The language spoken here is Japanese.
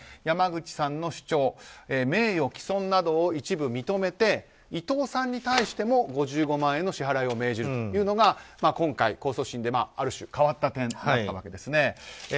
山口さんの主張名誉毀損などを一部認めて伊藤さんに対しても５５万円の支払いを命じるというのが今回、控訴審である種変わった点だったわけですね。